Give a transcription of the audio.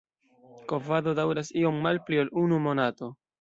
Kovado daŭras iom malpli ol unu monato.